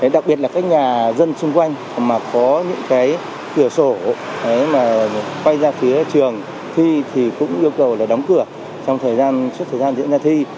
đặc biệt là các nhà dân xung quanh mà có những cái cửa sổ mà quay ra phía trường thi thì cũng yêu cầu là đóng cửa trong thời gian suốt thời gian diễn ra thi